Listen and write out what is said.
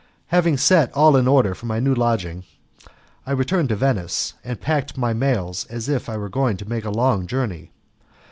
Having set all in order for my new lodging, I returned to Venice and packed my mails as if I were about to make a long journey.